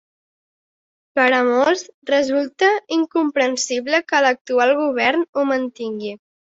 Per a molts resulta incomprensible que l’actual govern ho mantingui.